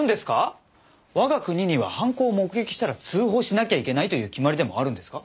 我が国には犯行を目撃したら通報しなきゃいけないという決まりでもあるんですか？